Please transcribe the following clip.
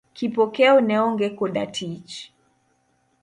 Kipokeo ne onge koda tich.